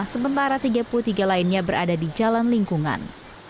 sementara tiga puluh tiga lainnya berada di jalan lingkungan